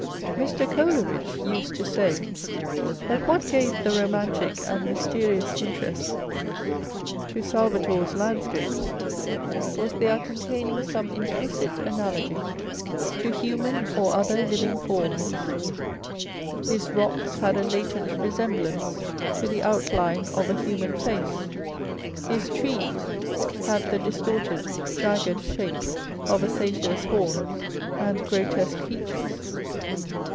Mr. Coleridge used to say, that what gave the romantic and mysterious interest to Salvator's landscapes was their containing some implicit analogy to human or other living forms. His rocks had a latent resemblance to the outline of a human face ; his trees had the distorted jagged shape of a satyr's horns and grotesque features.